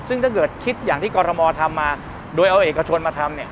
ซึ่งถ้าเกิดคิดอย่างที่กรมทำมาโดยเอาเอกชนมาทำเนี่ย